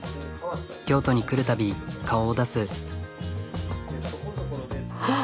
京都に来るたび顔を出す。